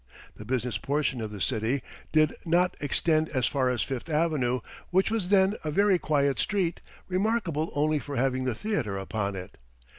The business portion of the city did not extend as far as Fifth Avenue, which was then a very quiet street, remarkable only for having the theater upon it.